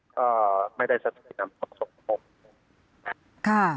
ก็ไม่ได้สัมผิดนำความสมมติ